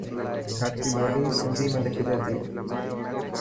ڌاٽڪي ٻولي سنڌي ۾ لکجي ٿي.